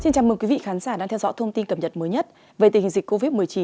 xin chào mừng quý vị khán giả đang theo dõi thông tin cập nhật mới nhất về tình hình dịch covid một mươi chín